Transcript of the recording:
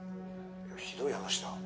「ひどい話だ」